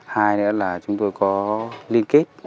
hai nữa là chúng tôi có liên kết